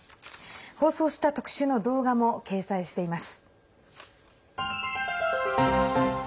放送した特集の動画も掲載しています。